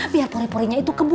biar pore porenya itu kembali